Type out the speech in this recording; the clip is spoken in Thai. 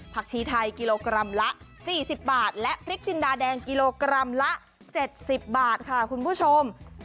ชีไทยกิโลกรัมละ๔๐บาทและพริกจินดาแดงกิโลกรัมละ๗๐บาทค่ะคุณผู้ชม